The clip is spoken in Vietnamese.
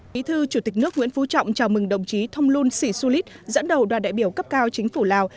bí thư chủ tịch nước nguyễn phú trọng chào mừng đồng chí thông luân sĩ xu lít dẫn đầu đoàn đại biểu cấp cao chính phủ lào